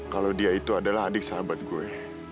kalau dia itu adalah adik sahabat gue